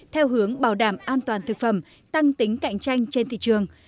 theo hướng bảo đảm an toàn thực phẩm tăng tính cạnh tranh trên thị trường